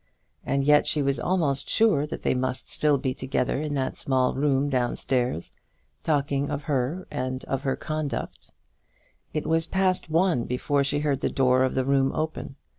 And yet she was almost sure that they must be still together in that small room downstairs, talking of her and of her conduct. It was past one before she heard the door of the room open.